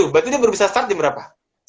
berarti dia baru bisa start jam berapa